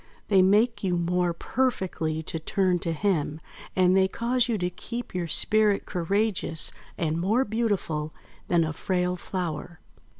They make you more perfectly to turn to Him, and they cause you to keep your spirit courageous and more beautiful than a frail flower."